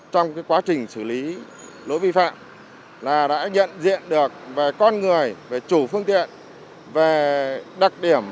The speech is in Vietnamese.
để xử lý lỗi vi phạm là đã nhận diện được về con người về chủ phương tiện về đặc điểm